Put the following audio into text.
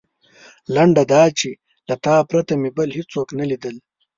لنډه دا چې له تا پرته مې بل هېڅوک نه لیدل.